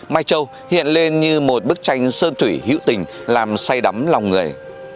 mai châu hiện lên như một bức tranh sơn thủy hữu tình làm say đắm lòng người